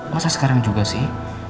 masa sekarang juga sih